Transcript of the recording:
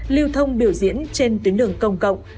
lưu thông biểu diễn trên tuyến đường công cộng